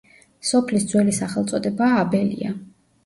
სოფლის ძველი სახელწოდებაა აბელია.